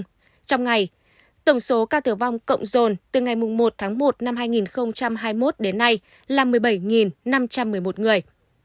trong ngày tổng số ca tử vong cộng dồn từ ngày một tháng một năm hai nghìn hai mươi một đến nay là một mươi bảy năm trăm một mươi một người